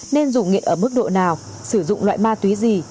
nên dù nghiện ở mức độ nào sử dụng loại ma túy gì